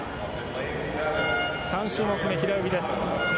３種目め、平泳ぎです。